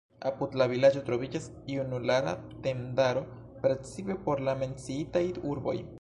Apud la vilaĝo troviĝas junulara tendaro precipe por la menciitaj urboj.